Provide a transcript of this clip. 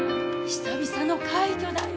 久々の快挙だよ。